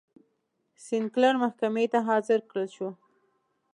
سینکلر محکمې ته حاضر کړل شو.